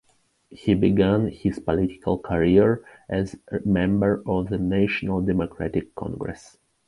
He begun his political career as member of the National Democratic Congress.